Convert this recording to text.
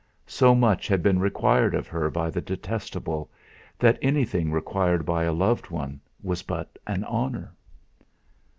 So much had been required of her by the detestable, that anything required by a loved one was but an honour.